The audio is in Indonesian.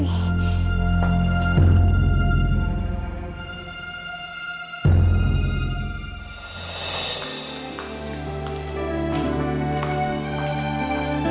tidak ada yang bisa diberi kepadamu